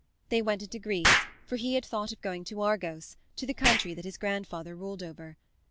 They went into Greece, for he had thought of going to Argos, to the country that his grandfather ruled over.